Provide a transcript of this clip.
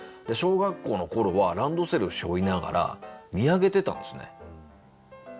小学校の頃はランドセルしょいながら見上げてたんですね。